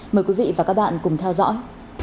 mời quý vị và các bạn cùng theo dõi